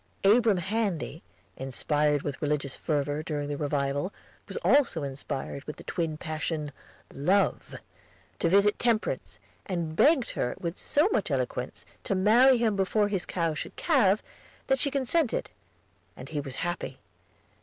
Abram Handy, inspired with religious fervor during the revival, was also inspired with the twin passion love to visit Temperance, and begged her, with so much eloquence, to marry him before his cow should calve, that she consented, and he was happy.